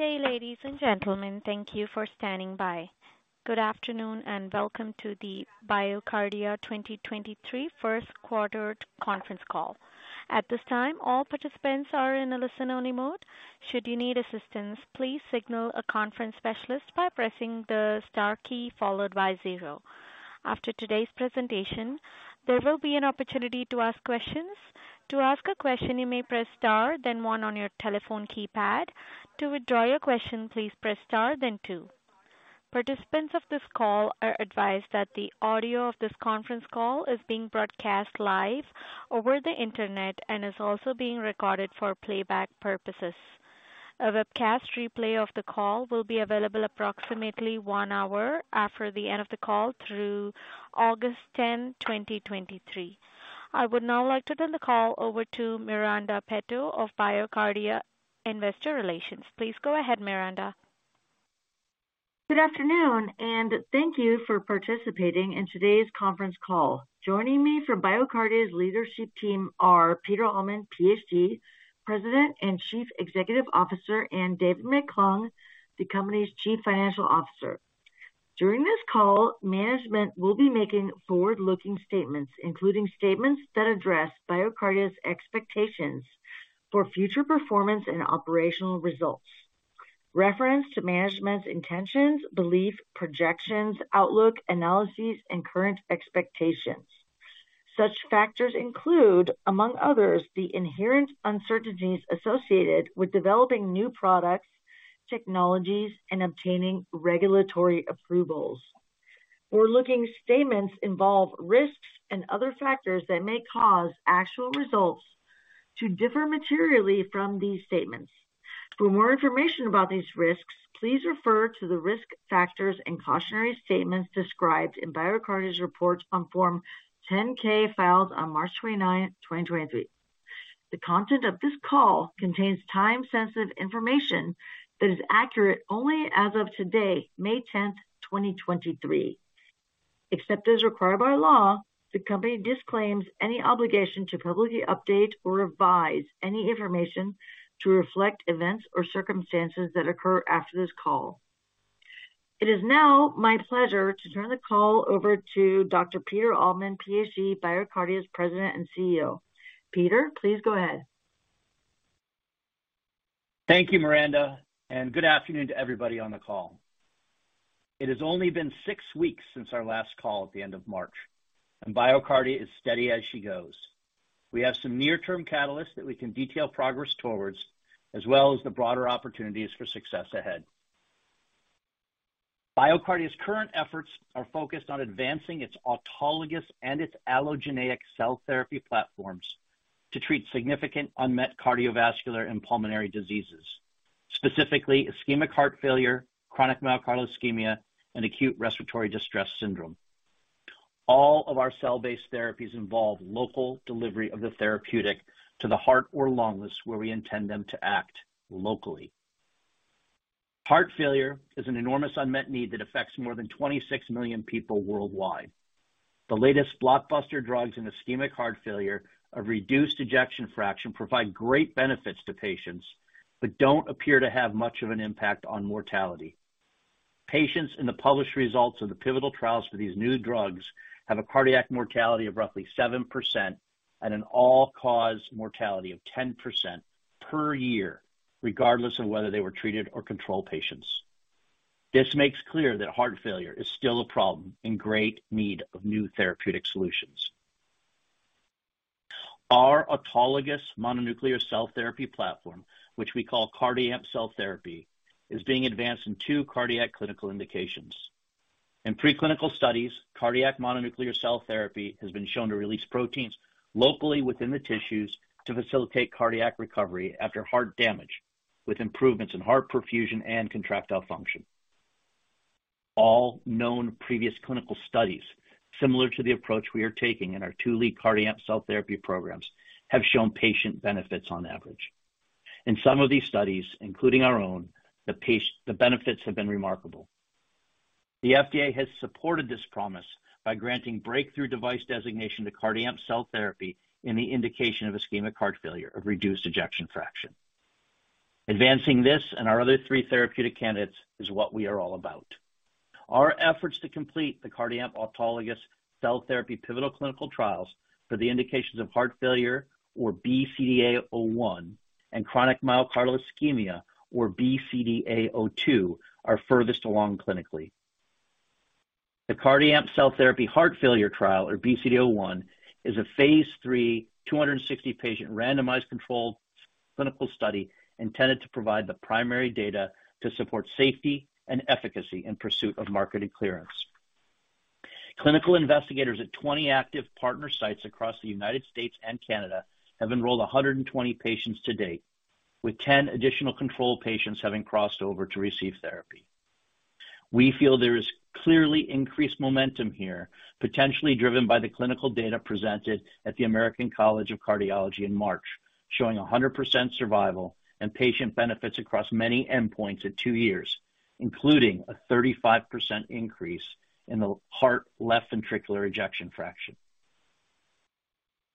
Good day, ladies and gentlemen. Thank you for standing by. Good afternoon, and welcome to the BioCardia 2023 first quarter conference call. At this time, all participants are in a listen-only mode. Should you need assistance, please signal a conference specialist by pressing the star key followed by zero. After today's presentation, there will be an opportunity to ask questions. To ask a question, you may press star then one on your telephone keypad. To withdraw your question, please press star then two. Participants of this call are advised that the audio of this conference call is being broadcast live over the Internet and is also being recorded for playback purposes. A webcast replay of the call will be available approximately one hour after the end of the call through August 10, 2023. I would now like to turn the call over to Miranda Peto of BioCardia Investor Relations. Please go ahead, Miranda. Good afternoon. Thank you for participating in today's conference call. Joining me from BioCardia's leadership team are Peter Altman, Ph.D., President and Chief Executive Officer, and David McClung, the company's Chief Financial Officer. During this call, management will be making forward-looking statements, including statements that address BioCardia's expectations for future performance and operational results. Reference to management's intentions, belief, projections, outlook, analyses, and current expectations. Such factors include, among others, the inherent uncertainties associated with developing new products, technologies, and obtaining regulatory approvals. Forward-looking statements involve risks and other factors that may cause actual results to differ materially from these statements. For more information about these risks, please refer to the risk factors and cautionary statements described in BioCardia's reports on Form 10-K filed on March 29, 2023. The content of this call contains time-sensitive information that is accurate only as of today, May 10, 2023. Except as required by law, the company disclaims any obligation to publicly update or revise any information to reflect events or circumstances that occur after this call. It is now my pleasure to turn the call over to Dr. Peter Altman, PhD, BioCardia's President and CEO. Peter, please go ahead. Thank you, Miranda. Good afternoon to everybody on the call. It has only been six weeks since our last call at the end of March, and BioCardia is steady as she goes. We have some near-term catalysts that we can detail progress towards, as well as the broader opportunities for success ahead. BioCardia's current efforts are focused on advancing its autologous and its allogeneic cell therapy platforms to treat significant unmet cardiovascular and pulmonary diseases, specifically ischemic heart failure, chronic myocardial ischemia, and acute respiratory distress syndrome. All of our cell-based therapies involve local delivery of the therapeutic to the heart or lungs, where we intend them to act locally. Heart failure is an enormous unmet need that affects more than 26 million people worldwide. The latest blockbuster drugs in ischemic heart failure of reduced ejection fraction provide great benefits to patients, but don't appear to have much of an impact on mortality. Patients in the published results of the pivotal trials for these new drugs have a cardiac mortality of roughly 7% and an all-cause mortality of 10% per year, regardless of whether they were treated or controlled patients. This makes clear that heart failure is still a problem in great need of new therapeutic solutions. Our autologous mononuclear cell therapy platform, which we call CardiAMP cell therapy, is being advanced in two cardiac clinical indications. In preclinical studies, cardiac mononuclear cell therapy has been shown to release proteins locally within the tissues to facilitate cardiac recovery after heart damage, with improvements in heart perfusion and contractile function. All known previous clinical studies similar to the approach we are taking in our two lead CardiAMP cell therapy programs have shown patient benefits on average. In some of these studies, including our own, the benefits have been remarkable. The FDA has supported this promise by granting Breakthrough Device designation to CardiAMP cell therapy in the indication of ischemic heart failure of reduced ejection fraction. Advancing this and our other three therapeutic candidates is what we are all about. Our efforts to complete the CardiAMP autologous cell therapy pivotal clinical trials for the indications of heart failure or BCDA01 and chronic myocardial ischemia or BCDA02 are furthest along clinically. The CardiAMP cell therapy heart failure trial, or BCDA01, is a Phase three 260 patient randomized controlled clinical study intended to provide the primary data to support safety and efficacy in pursuit of marketed clearance. Clinical investigators at 20 active partner sites across the United States and Canada have enrolled 120 patients to date, with 10 additional control patients having crossed over to receive therapy. We feel there is clearly increased momentum here, potentially driven by the clinical data presented at the American College of Cardiology in March, showing 100% survival and patient benefits across many endpoints at two years, including a 35% increase in the heart left ventricular ejection fraction.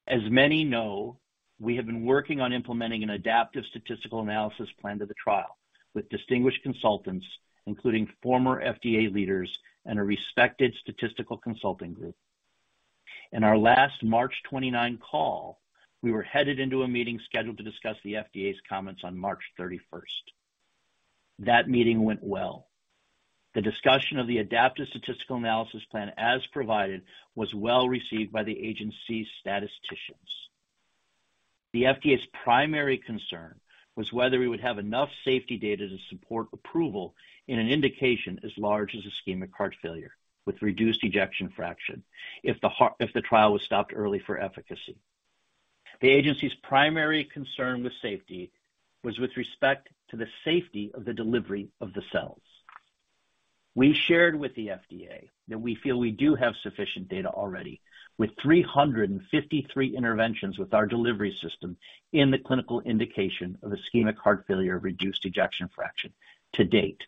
As many know, we have been working on implementing an adaptive statistical analysis plan to the trial with distinguished consultants, including former FDA leaders and a respected statistical consulting group. In our last March 29 call, we were headed into a meeting scheduled to discuss the FDA's comments on March 31. That meeting went well. The discussion of the adaptive statistical analysis plan as provided was well received by the agency's statisticians. The FDA's primary concern was whether we would have enough safety data to support approval in an indication as large as ischemic heart failure with reduced ejection fraction if the trial was stopped early for efficacy. The agency's primary concern with safety was with respect to the safety of the delivery of the cells. We shared with the FDA that we feel we do have sufficient data already with 353 interventions with our delivery system in the clinical indication of ischemic heart failure of reduced ejection fraction to date,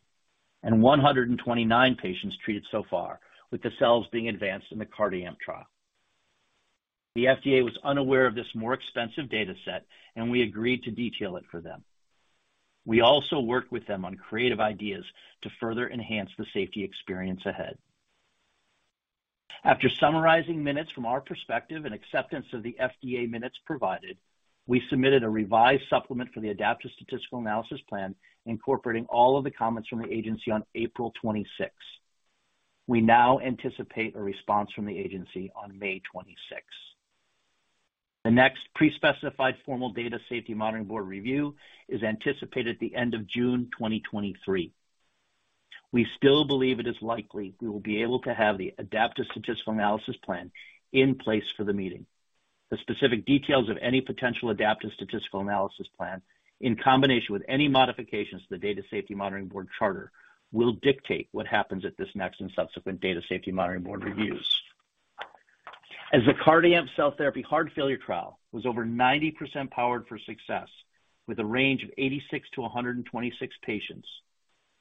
and 129 patients treated so far, with the cells being advanced in the CardiAMP trial. The FDA was unaware of this more extensive data set. We agreed to detail it for them. We also worked with them on creative ideas to further enhance the safety experience ahead. After summarizing minutes from our perspective and acceptance of the FDA minutes provided, we submitted a revised supplement for the adaptive statistical analysis plan incorporating all of the comments from the agency on April 26. We now anticipate a response from the agency on May 26. The next pre-specified formal data safety monitoring board review is anticipated at the end of June 2023. We still believe it is likely we will be able to have the adaptive statistical analysis plan in place for the meeting. The specific details of any potential adaptive statistical analysis plan in combination with any modifications to the data safety monitoring board charter will dictate what happens at this next and subsequent data safety monitoring board reviews. As the CardiAMP cell therapy heart failure trial was over 90% powered for success with a range of 86-126 patients,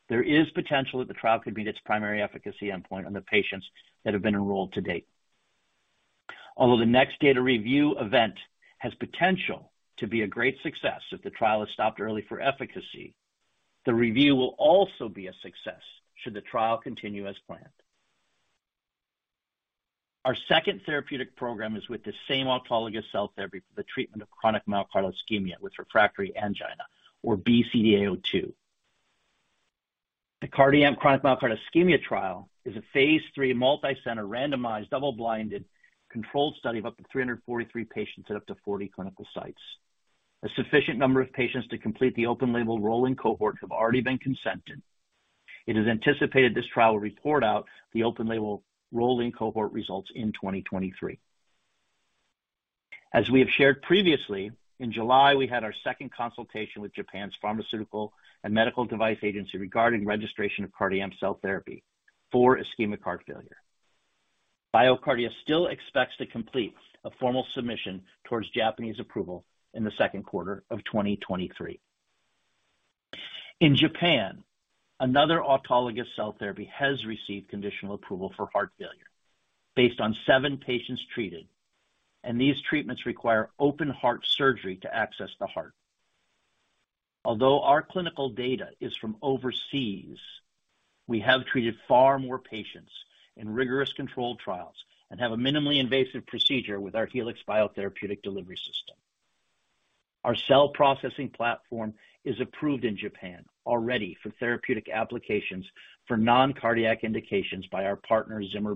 there is potential that the trial could meet its primary efficacy endpoint on the patients that have been enrolled to date. The next data review event has potential to be a great success if the trial is stopped early for efficacy, the review will also be a success should the trial continue as planned. Our second therapeutic program is with the same autologous cell therapy for the treatment of chronic myocardial ischemia with refractory angina, or BCDA-02. The CardiAMP chronic myocardial ischemia trial is a phase three multicenter randomized double-blinded controlled study of up to 343 patients at up to 40 clinical sites. A sufficient number of patients to complete the open label rolling cohort have already been consented. It is anticipated this trial will report out the open label rolling cohort results in 2023. As we have shared previously, in July, we had our second consultation with Japan's Pharmaceuticals and Medical Devices Agency regarding registration of CardiAMP cell therapy for ischemic heart failure. BioCardia still expects to complete a formal submission towards Japanese approval in the second quarter of 2023. In Japan, another autologous cell therapy has received conditional approval for heart failure based on seven patients treated, and these treatments require open heart surgery to access the heart. Although our clinical data is from overseas, we have treated far more patients in rigorous controlled trials and have a minimally invasive procedure with our Helix biotherapeutic delivery system. Our cell processing platform is approved in Japan already for therapeutic applications for non-cardiac indications by our partner, Zimmer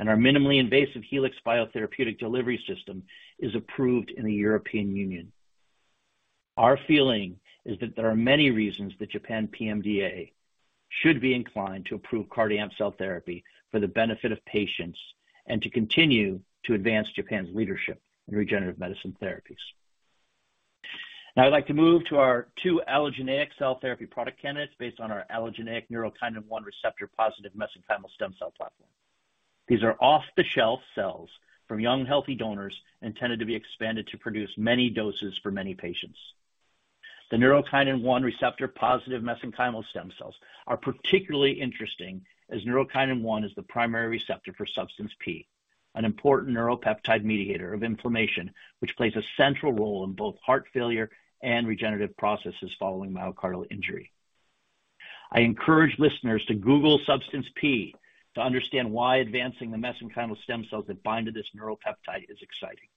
Biomet. Our minimally invasive Helix biotherapeutic delivery system is approved in the European Union. Our feeling is that there are many reasons the Japan PMDA should be inclined to approve CardiAMP cell therapy for the benefit of patients and to continue to advance Japan's leadership in regenerative medicine therapies. Now I'd like to move to our two allogeneic cell therapy product candidates based on our allogeneic Neurokinin-1 receptor positive mesenchymal stem cell platform. These are off-the-shelf cells from young healthy donors intended to be expanded to produce many doses for many patients. The Neurokinin-1 receptor positive mesenchymal stem cells are particularly interesting as Neurokinin 1 is the primary receptor for Substance P, an important neuropeptide mediator of inflammation, which plays a central role in both heart failure and regenerative processes following myocardial injury. I encourage listeners to google Substance P to understand why advancing the mesenchymal stem cells that bind to this neuropeptide is exciting.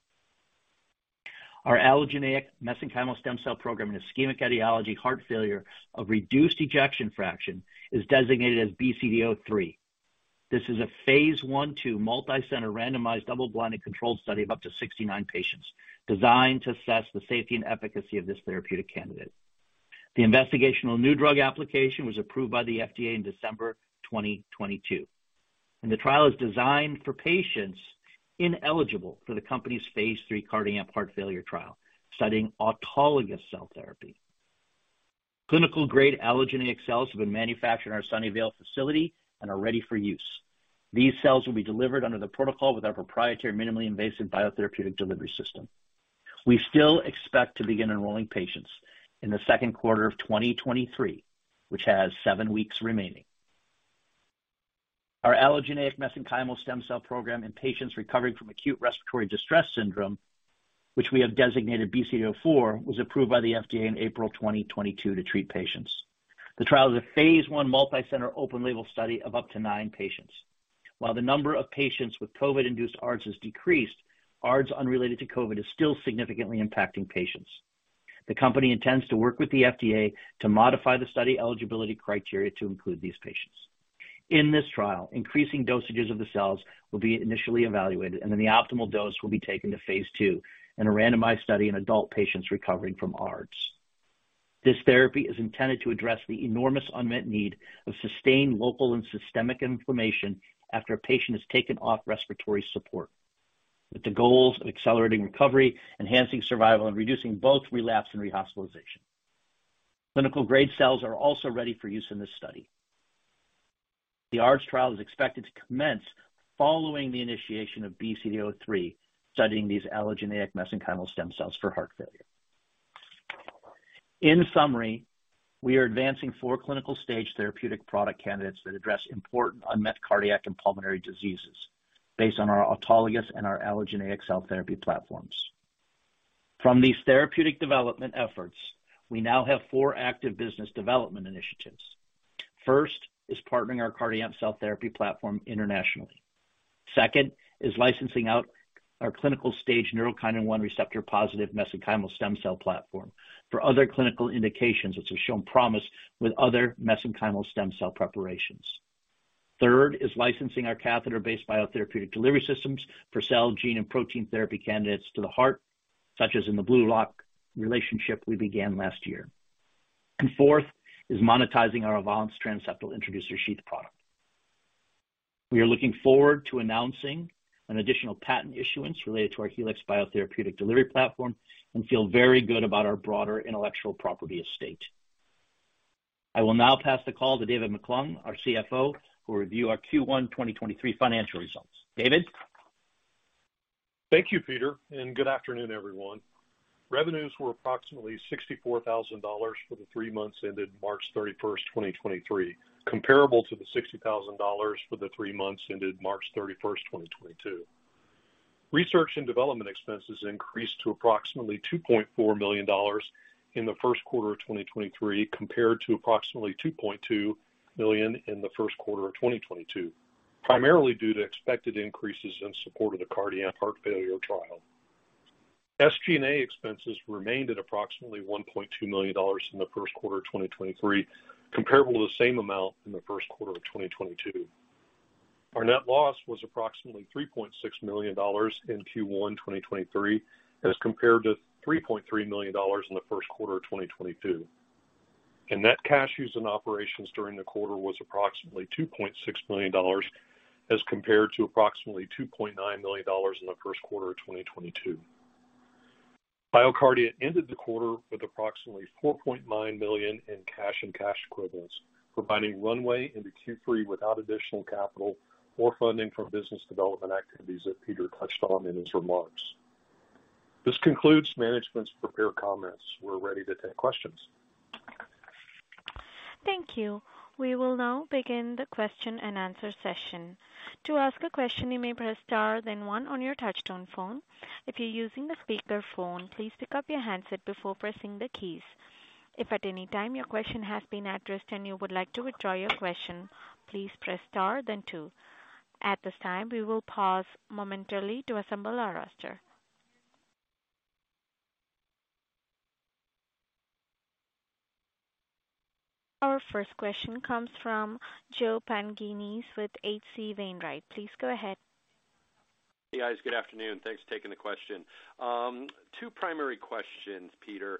Our allogeneic mesenchymal stem cell program in ischemic etiology heart failure of reduced ejection fraction is designated as BCDA-03. This is a phase 1/2 multi-center randomized double-blinded control study of up to 69 patients designed to assess the safety and efficacy of this therapeutic candidate. The investigational new drug application was approved by the FDA in December 2022, and the trial is designed for patients ineligible for the company's phase 3 CardiAMP Heart Failure trial studying autologous cell therapy. Clinical-grade allogeneic cells have been manufactured in our Sunnyvale facility and are ready for use. These cells will be delivered under the protocol with our proprietary minimally invasive biotherapeutic delivery system. We still expect to begin enrolling patients in the second quarter of 2023, which has seven weeks remaining. Our allogeneic mesenchymal stem cell program in patients recovering from acute respiratory distress syndrome, which we have designated BCDA-04, was approved by the FDA in April 2022 to treat patients. The trial is a phase 1 multi-center open label study of up to nine patients. While the number of patients with COVID induced ARDS has decreased, ARDS unrelated to COVID is still significantly impacting patients. The company intends to work with the FDA to modify the study eligibility criteria to include these patients. In this trial, increasing dosages of the cells will be initially evaluated, and then the optimal dose will be taken to phase two in a randomized study in adult patients recovering from ARDS. This therapy is intended to address the enormous unmet need of sustained local and systemic inflammation after a patient is taken off respiratory support, with the goals of accelerating recovery, enhancing survival, and reducing both relapse and rehospitalization. Clinical-grade cells are also ready for use in this study. The ARDS trial is expected to commence following the initiation of BCDA-03, studying these allogeneic mesenchymal stem cells for heart failure. In summary, we are advancing four clinical stage therapeutic product candidates that address important unmet cardiac and pulmonary diseases based on our autologous and our allogeneic cell therapy platforms. From these therapeutic development efforts, we now have four active business development initiatives. First is partnering our CardiAMP cell therapy platform internationally. Second is licensing out our clinical stage Neurokinin-1 receptor positive mesenchymal stem cell platform for other clinical indications which have shown promise with other mesenchymal stem cell preparations. Third is licensing our catheter-based biotherapeutic delivery systems for cell gene and protein therapy candidates to the heart, such as in the BlueRock relationship we began last year. Fourth is monetizing our AVANCE transseptal introducer sheath product. We are looking forward to announcing an additional patent issuance related to our Helix biotherapeutic delivery platform and feel very good about our broader intellectual property estate. I will now pass the call to David McClung, our CFO, who will review our Q1 2023 financial results. David? Thank you, Peter, good afternoon, everyone. Revenues were approximately $64,000 for the three months ended March 31st, 2023, comparable to the $60,000 for the three months ended March 31st, 2022. Research and development expenses increased to approximately $2.4 million in the first quarter of 2023, compared to approximately $2.2 million in the first quarter of 2022, primarily due to expected increases in support of the CardiAMP heart failure trial. SG&A expenses remained at approximately $1.2 million in the first quarter of 2023, comparable to the same amount in the first quarter of 2022. Our net loss was approximately $3.6 million in Q1 2023 as compared to $3.3 million in the first quarter of 2022. Net cash used in operations during the quarter was approximately $2.6 million as compared to approximately $2.9 million in the first quarter of 2022. BioCardia ended the quarter with approximately $4.9 million in cash and cash equivalents, providing runway into Q3 without additional capital or funding for business development activities that Peter touched on in his remarks. This concludes management's prepared comments. We are ready to take questions. Thank you. We will now begin the question-and-answer session. To ask a question, you may press star then one on your touchtone phone. If you're using a speakerphone, please pick up your handset before pressing the keys. If at any time your question has been addressed and you would like to withdraw your question, please press star then two. At this time, we will pause momentarily to assemble our roster. Our first question comes from Joe Pantginis with H.C. Wainwright. Please go ahead. Hey, guys. Good afternoon. Thanks for taking the question. two primary questions, Peter.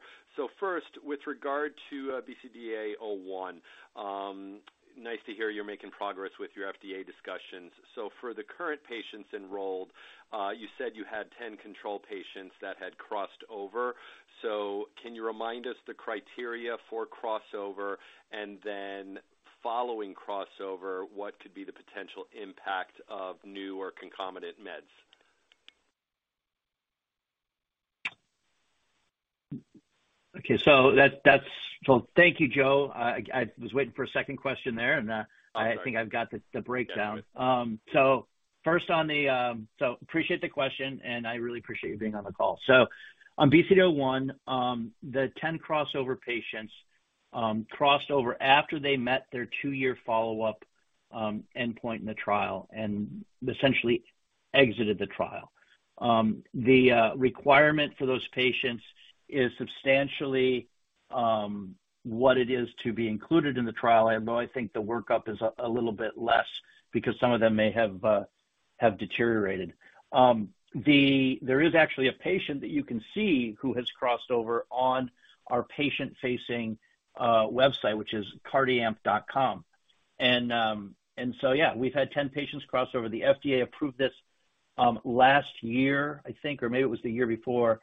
First, with regard to BCDA01, nice to hear you're making progress with your FDA discussions. For the current patients enrolled, you said you had 10 control patients that had crossed over. Can you remind us the criteria for crossover, and then following crossover, what could be the potential impact of new or concomitant meds? Okay. That's, thank you, Joe. I was waiting for a second question there, and I think I've got the breakdown. Appreciate the question, and I really appreciate you being on the call. On BCDA01, the 10 crossover patients crossed over after they met their two-year follow-up endpoint in the trial and essentially exited the trial. The requirement for those patients is substantially what it is to be included in the trial, although I think the workup is a little bit less because some of them may have deteriorated. There is actually a patient that you can see who has crossed over on our patient-facing website, which is cardiamp.com. Yeah, we've had 10 patients cross over. The FDA approved this, last year, I think, or maybe it was the year before,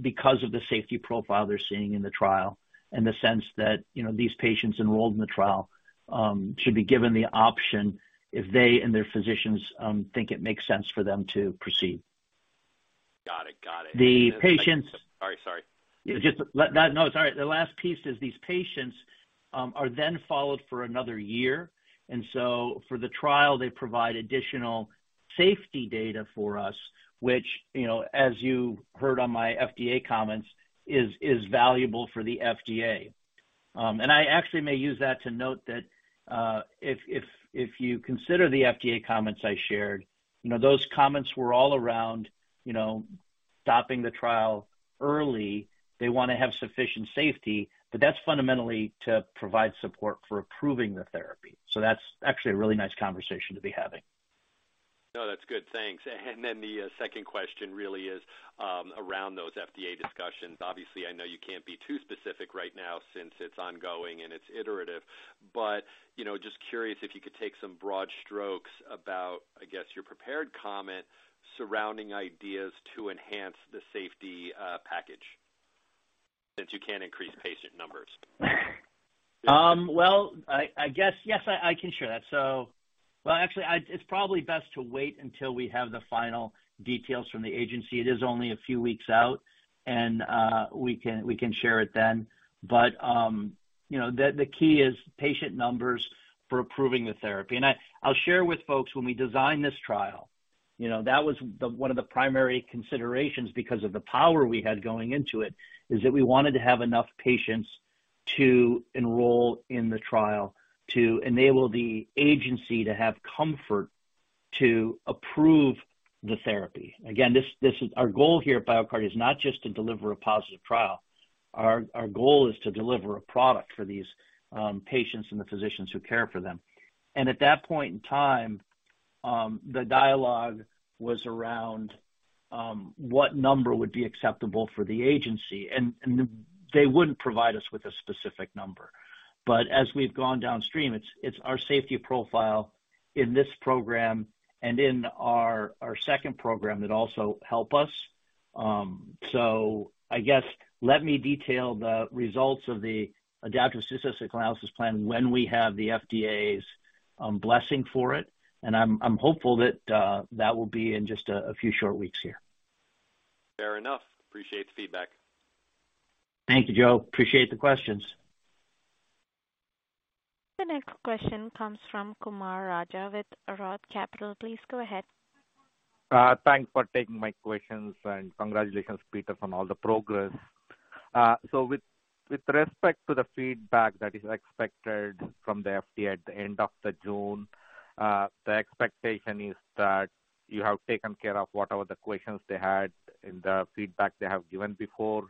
because of the safety profile they're seeing in the trial and the sense that, you know, these patients enrolled in the trial, should be given the option if they and their physicians, think it makes sense for them to proceed. I got it. The Sorry. Just no, it's all right. The last piece is these patients are then followed for another year. For the trial, they provide additional safety data for us, which, you know, as you heard on my FDA comments, is valuable for the FDA. I actually may use that to note that if you consider the FDA comments I shared, you know, those comments were all around, you know, stopping the trial early. They wanna have sufficient safety, but that's fundamentally to provide support for approving the therapy. That's actually a really nice conversation to be having. No, that's good. Thanks. The second question really is around those FDA discussions. Obviously, I know you can't be too specific right now since it's ongoing and it's iterative, but, you know, just curious if you could take some broad strokes about, I guess, your prepared comment surrounding ideas to enhance the safety package since you can't increase patient numbers. Well, actually, it's probably best to wait until we have the final details from the agency. It is only a few weeks out, we can share it then. You know, the key is patient numbers for approving the therapy. I'll share with folks when we design this trial, you know, that was one of the primary considerations because of the power we had going into it, is that we wanted to have enough patients to enroll in the trial to enable the agency to have comfort to approve the therapy. Again, this is our goal here at BioCardia is not just to deliver a positive trial. Our goal is to deliver a product for these patients and the physicians who care for them. At that point in time, the dialogue was around what number would be acceptable for the agency. They wouldn't provide us with a specific number. As we've gone downstream, it's our safety profile in this program and in our second program that also help us. I guess let me detail the results of the adaptive statistical analysis plan when we have the FDA's blessing for it, and I'm hopeful that that will be in just a few short weeks here. Fair enough. Appreciate the feedback. Thank you, Joe. Appreciate the questions. The next question comes from Kumar Raja with Roth Capital. Please go ahead. Thanks for taking my questions, and congratulations, Peter, on all the progress. With respect to the feedback that is expected from the FDA at the end of June, the expectation is that you have taken care of whatever the questions they had in the feedback they have given before,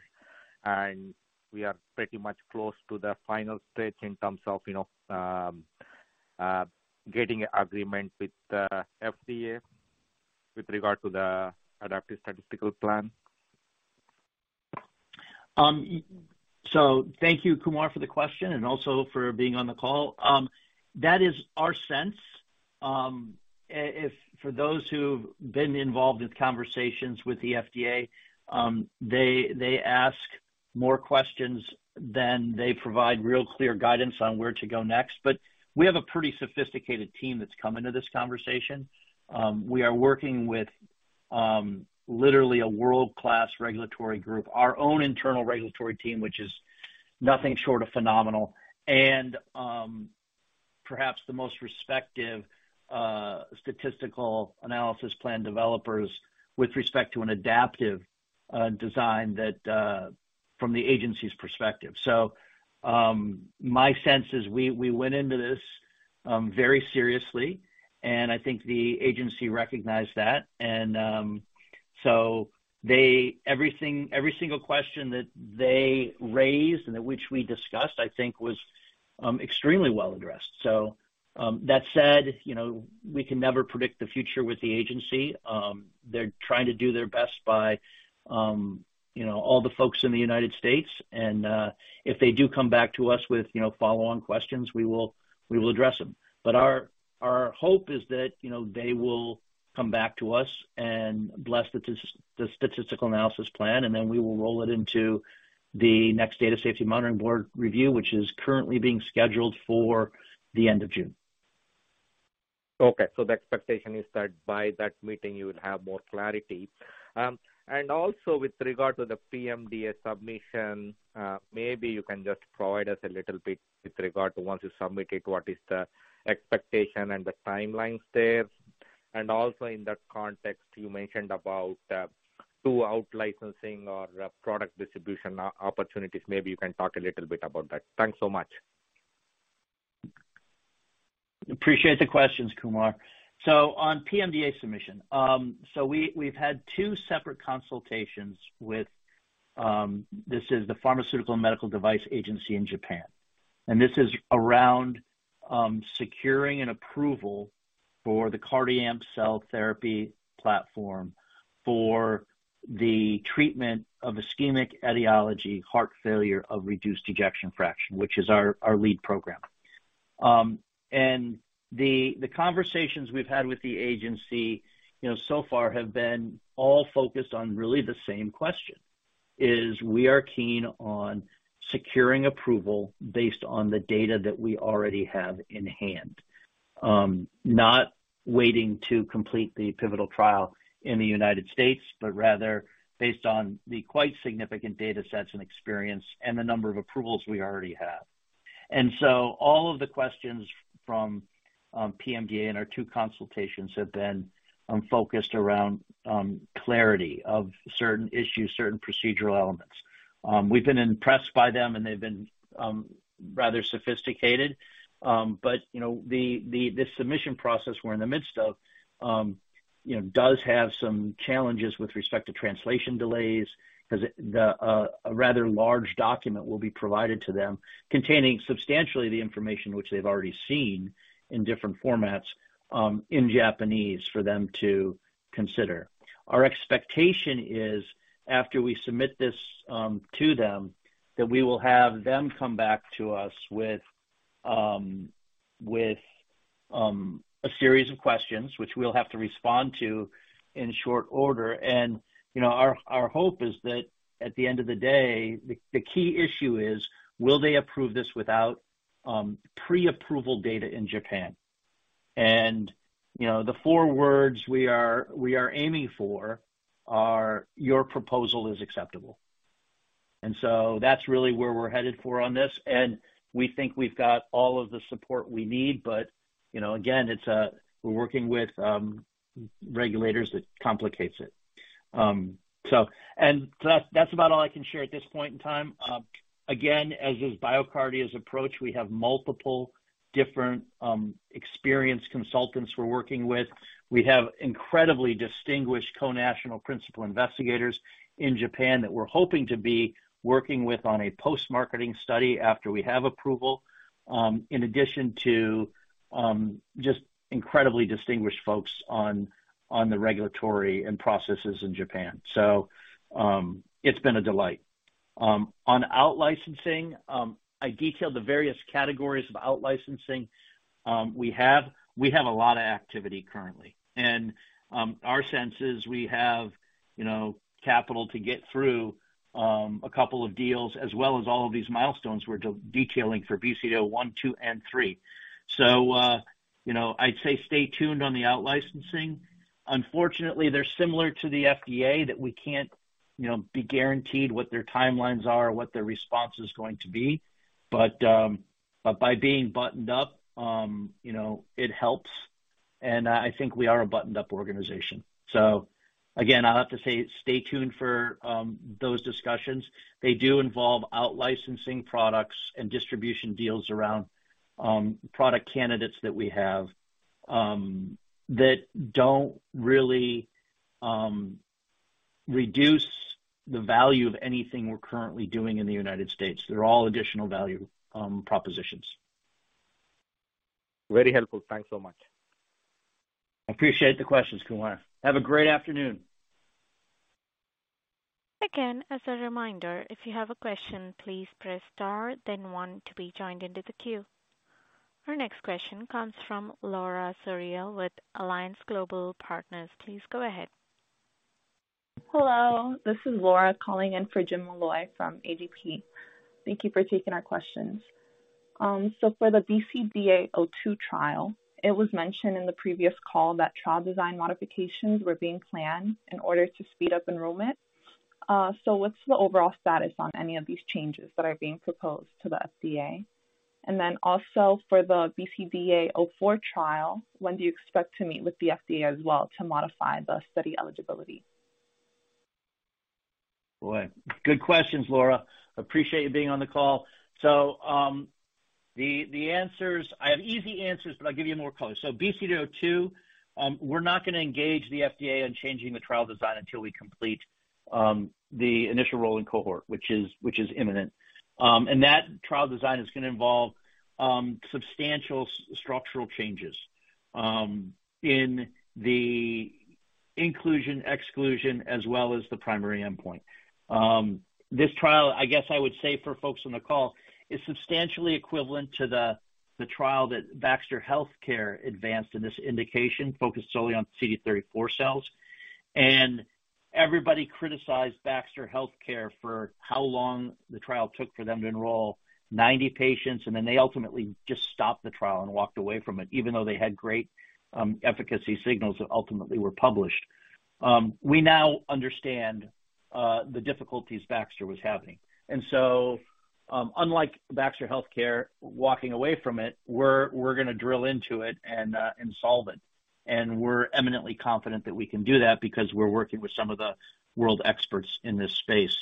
and we are pretty much close to the final stretch in terms of, you know, getting agreement with the FDA with regard to the adaptive statistical plan. Thank you, Kumar, for the question and also for being on the call. That is our sense. If for those who've been involved in conversations with the FDA, they ask more questions than they provide real clear guidance on where to go next. We have a pretty sophisticated team that's come into this conversation. We are working with literally a world-class regulatory group. Our own internal regulatory team, which is nothing short of phenomenal, and perhaps the most respective statistical analysis plan developers with respect to an adaptive design that from the agency's perspective. My sense is we went into this very seriously, and I think the agency recognized that. Everything, every single question that they raised and which we discussed, I think was extremely well addressed. That said, you know, we can never predict the future with the agency. They're trying to do their best by, you know, all the folks in the United States. If they do come back to us with, you know, follow-on questions, we will address them. Our hope is that, you know, they will come back to us and bless the statistical analysis plan, and then we will roll it into the next data safety monitoring board review, which is currently being scheduled for the end of June. The expectation is that by that meeting, you will have more clarity. Also with regard to the PMDA submission, maybe you can just provide us a little bit with regard to once you submit it, what is the expectation and the timelines there. Also in that context, you mentioned about 2 out-licensing or product distribution opportunities. Maybe you can talk a little bit about that. Thanks so much. Appreciate the questions, Kumar. On PMDA submission. We've had 2 separate consultations with this is the Pharmaceutical Medical Device Agency in Japan. This is around securing an approval for the CardiAMP cell therapy platform for the treatment of ischemic etiology heart failure of reduced ejection fraction, which is our lead program. The, the conversations we've had with the agency, you know, so far have been all focused on really the same question. We are keen on securing approval based on the data that we already have in hand. Not waiting to complete the pivotal trial in the United States, rather based on the quite significant data sets and experience and the number of approvals we already have. All of the questions from PMDA in our two consultations have been focused around clarity of certain issues, certain procedural elements. We've been impressed by them, and they've been rather sophisticated. You know, this submission process we're in the midst of, you know, does have some challenges with respect to translation delays because a rather large document will be provided to them containing substantially the information which they've already seen in different formats in Japanese for them to consider. Our expectation is after we submit this to them, that we will have them come back to us with a series of questions which we'll have to respond to in short order. You know, our hope is that at the end of the day, the key issue is will they approve this without pre-approval data in Japan? You know, the four words we are aiming for are your proposal is acceptable. That's really where we're headed for on this. We think we've got all of the support we need. You know, again, it's, we're working with regulators that complicates it. That's about all I can share at this point in time. Again, as is BioCardia's approach, we have multiple different experienced consultants we're working with. We have incredibly distinguished co-national principal investigators in Japan that we're hoping to be working with on a post-marketing study after we have approval, in addition to just incredibly distinguished folks on the regulatory and processes in Japan. It's been a delight. On out licensing, I detailed the various categories of out licensing we have. We have a lot of activity currently, and our sense is we have, you know, capital to get through 2 deals as well as all of these milestones we're detailing for BCDA01, BCDA-02, and BCDA-03. You know, I'd say stay tuned on the out licensing. Unfortunately, they're similar to the FDA that we can't, you know, be guaranteed what their timelines are or what their response is going to be. By being buttoned up, you know, it helps. I think we are a buttoned-up organization. Again, I'll have to say stay tuned for those discussions. They do involve out licensing products and distribution deals around product candidates that we have that don't really reduce the value of anything we're currently doing in the United States. They're all additional value propositions. Very helpful. Thanks so much. Appreciate the questions, Kumar. Have a great afternoon. Again, as a reminder, if you have a question, please press Star then One to be joined into the queue. Our next question comes from Laura Suriel with Alliance Global Partners. Please go ahead. Hello, this is Laura calling in for James Molloy from AGP. Thank you for taking our questions. For the BCDA-02 trial, it was mentioned in the previous call that trial design modifications were being planned in order to speed up enrollment. What's the overall status on any of these changes that are being proposed to the FDA? Also for the BCDA-04 trial, when do you expect to meet with the FDA as well to modify the study eligibility? Boy, good questions, Laura. Appreciate you being on the call. The answers I have easy answers, but I'll give you more color. BCDA-02, we're not gonna engage the FDA on changing the trial design until we complete the initial rolling cohort, which is imminent. And that trial design is gonna involve substantial structural changes in the inclusion, exclusion, as well as the primary endpoint. This trial, I guess I would say for folks on the call, is substantially equivalent to the trial that Baxter Healthcare advanced in this indication, focused solely on CD34+ cells. Everybody criticized Baxter Healthcare for how long the trial took for them to enroll 90 patients, and then they ultimately just stopped the trial and walked away from it, even though they had great efficacy signals that ultimately were published. We now understand the difficulties Baxter was having. Unlike Baxter Healthcare walking away from it, we're gonna drill into it and solve it. We're eminently confident that we can do that because we're working with some of the world experts in this space.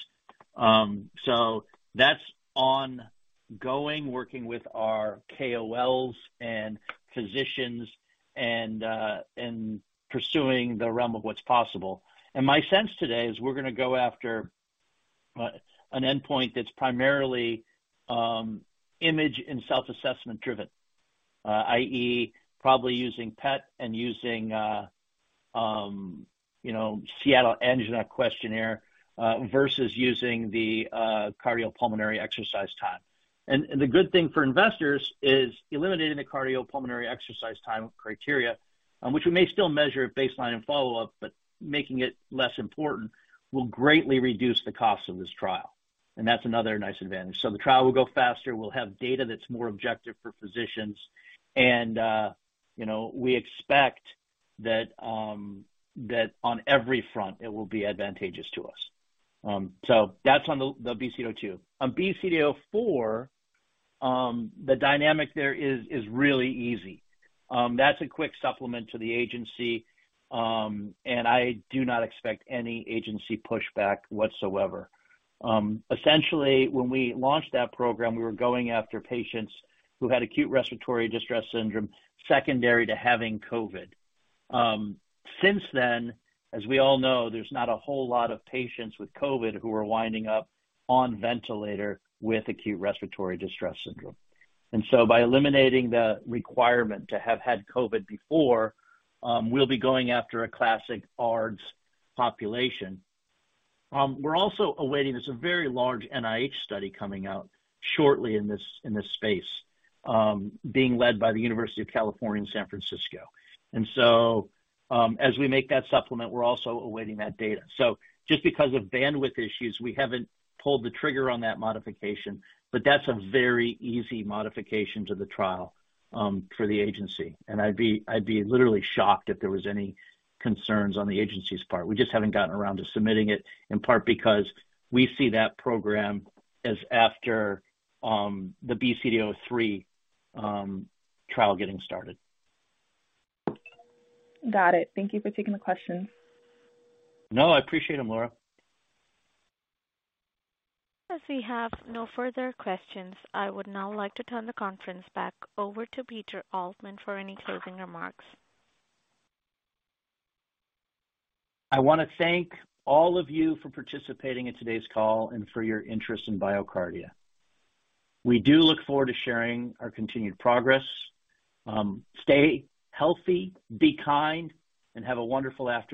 That's ongoing, working with our KOLs and physicians and pursuing the realm of what's possible. My sense today is we're gonna go after an endpoint that's primarily image and self-assessment driven, i.e., probably using PET and using, you know, Seattle Angina Questionnaire, versus using the cardiopulmonary exercise time. The good thing for investors is eliminating the cardiopulmonary exercise time criteria, which we may still measure at baseline and follow-up, but making it less important will greatly reduce the cost of this trial. That's another nice advantage. The trial will go faster, we'll have data that's more objective for physicians and, you know, we expect that on every front it will be advantageous to us. That's on the BCDA-02. On BCDA-04, the dynamic there is really easy. That's a quick supplement to the agency. I do not expect any agency pushback whatsoever. Essentially, when we launched that program, we were going after patients who had acute respiratory distress syndrome secondary to having COVID. Since then, as we all know, there's not a whole lot of patients with COVID who are winding up on ventilator with acute respiratory distress syndrome. By eliminating the requirement to have had COVID before, we'll be going after a classic ARDS population. We're also awaiting a very large NIH study coming out shortly in this space, being led by the University of California San Francisco. As we make that supplement, we're also awaiting that data. Just because of bandwidth issues, we haven't pulled the trigger on that modification, but that's a very easy modification to the trial for the agency. I'd be literally shocked if there was any concerns on the agency's part. We just haven't gotten around to submitting it, in part because we see that program as after the BCDA-03 trial getting started. Got it. Thank you for taking the question. No, I appreciate it, Laura. As we have no further questions, I would now like to turn the conference back over to Peter Altman for any closing remarks. I wanna thank all of you for participating in today's call and for your interest in BioCardia. We do look forward to sharing our continued progress. Stay healthy, be kind, and have a wonderful afternoon.